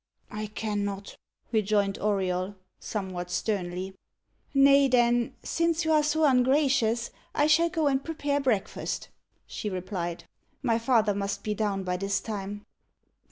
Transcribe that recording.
"I cannot," rejoined Auriol, somewhat sternly. "Nay, then, since you are so ungracious, I shall go and prepare breakfast," she replied. "My father must be down by this time."